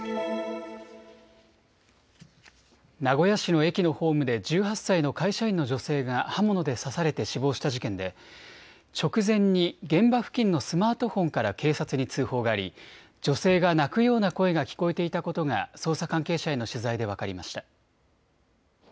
名古屋市の駅のホームで１８歳の会社員の女性が刃物で刺されて死亡した事件で直前に現場付近のスマートフォンから警察に通報があり女性が泣くような声が聞こえていたことが捜査関係者への取材で分かりました。